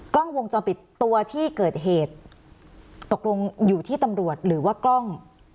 กล้องวงจรปิดตัวที่เกิดเหตุตกลงอยู่ที่ตำรวจหรือว่ากล้อง